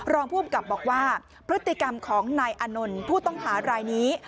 รองภูมิกับบอกว่าพฤติกรรมของนายอานนท์ผู้ต้องหารายนี้